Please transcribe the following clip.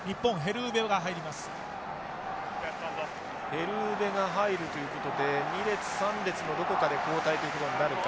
ヘルウヴェが入るということで２列３列のどこかで交代ということになるか。